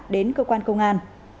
đến cơ quan công an